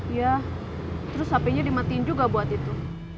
iya terus sapinya dimatiin juga buat itu